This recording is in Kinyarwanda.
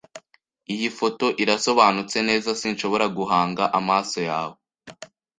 Iyi foto irasobanutse neza. Sinshobora guhanga amaso yawe.